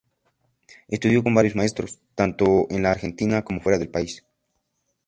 Estudió con varios maestros, tanto en la Argentina como fuera del país.